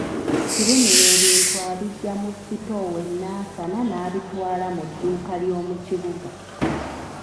Kirumira ebintu abiggya mu sitoowa e Nansana n'abitwala mu dduuka ly'omu kibuga.